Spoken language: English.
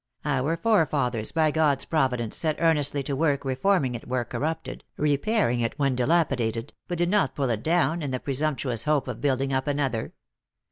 Our forefathers by God s providence, set earnestly to work reforming it where corrupted, repairing it when dilapidated, but did not pull it down, in the presumptuous hope of building up another.